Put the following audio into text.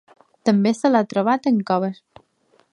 També se l'ha trobat en coves.